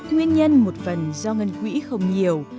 nguyên nhân một phần do ngân quỹ không nhiều